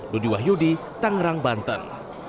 ludi wahyudi tangerang banten